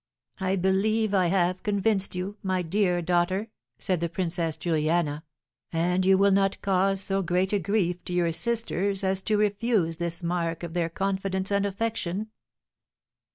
"I believe I have convinced you, my dear daughter," said the Princess Juliana; "and you will not cause so great a grief to your sisters as to refuse this mark of their confidence and affection?"